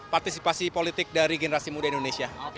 partisipasi politik dari generasi muda indonesia